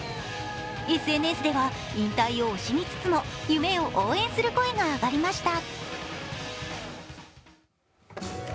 ＳＮＳでは引退を惜しみつつも夢を応援する声が上がりました。